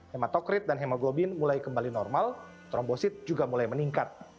hematokrit dan hemoglobin mulai kembali normal trombosit juga mulai meningkat